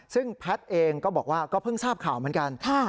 ซึ่งแพทย์เองก็บอกว่าก็เพิ่งทราบข่าวเหมือนกัน